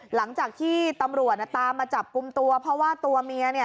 หลังจากที่ตำรวจตามมาจับกลุ่มตัวเพราะว่าตัวเมียเนี่ย